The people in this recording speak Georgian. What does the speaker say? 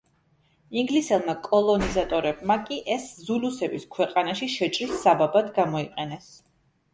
ინგლისელმა კოლონიზატორებმა კი ეს ზულუსების ქვეყანაში შეჭრის საბაბად გამოიყენეს.